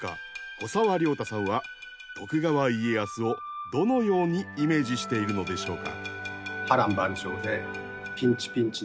古沢良太さんは徳川家康をどのようにイメージしているのでしょうか？